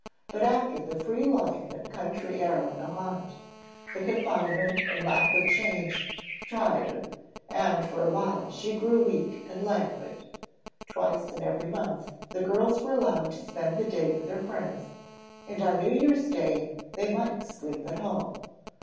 But after the free life and country air of Nohant the confinement and lack of change tried her, and for a while she grew weak and languid. Twice in every month the girls were allowed to spend the day with their friends, and on New Year's Day they might sleep at home.